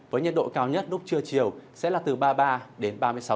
với nhiệt độ cao nhất lúc trưa chiều sẽ là từ ba mươi ba đến ba mươi sáu độ có nơi cao hơn